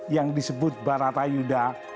yang disebut baratayuda